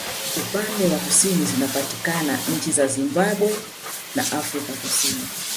Upande wa kusini zinapatikana nchi za Zimbabwe na Afrika kusini